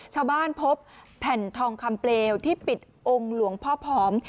พบแผ่นทองคำเปลวที่ปิดองค์หลวงพ่อผอม